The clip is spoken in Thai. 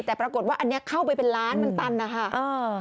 แต่ปรากฏว่าอันนี้เข้าไปเป็นล้านเป็นตันนะคะ